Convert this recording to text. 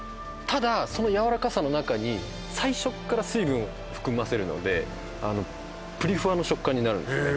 ただそのやわらかさの中に最初から水分を含ませるのであのプリふわの食感になるんですね